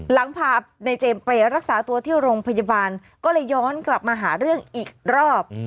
หลังพานายเจมส์ไปรักษาตัวที่โรงพยาบาลก็เลยย้อนกลับมาหาเรื่องอีกรอบ